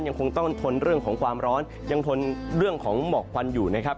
ยังคงต้องทนเรื่องของความร้อนยังทนเรื่องของหมอกควันอยู่นะครับ